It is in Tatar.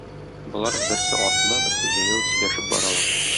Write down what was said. Болар, берсе атлы, берсе җәяү, сөйләшеп баралар.